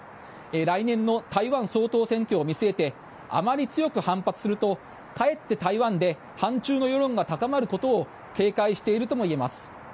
来年の台湾総統選挙を見据えてあまり強く反発するとかえって台湾で反中の世論が高まることを警戒しているともいえます。